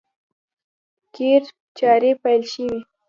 قیر چارې پیل شوې!